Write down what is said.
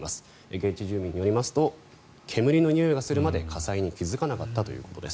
現地住民によりますと煙のにおいがするまで火災に気付かなかったということです。